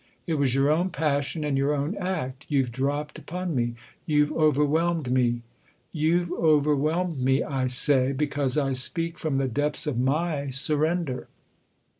It was your own passion and your own act you've dropped upon me, you've over whelmed me. You've overwhelmed me, I say, because I speak from the depths of my surrender.